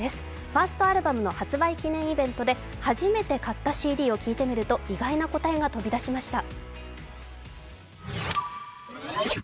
ファーストアルバムのイベントに関し、初めて買ったＣＤを聴いてみると意外な答えが飛び出しました。